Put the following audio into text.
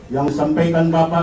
yang disampaikan bapak